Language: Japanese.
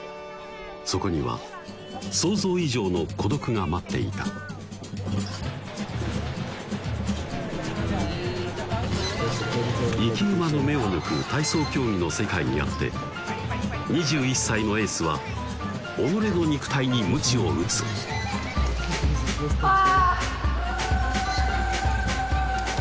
そこには想像以上の孤独が待っていた生き馬の目を抜く体操競技の世界にあって２１歳のエースは己の肉体にむちを打つあっ！